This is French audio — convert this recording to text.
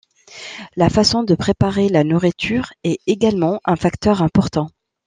La façon de préparer la nourriture est également un facteur important.